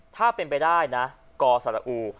ถ้าเป็นไปได้นะกอสระอู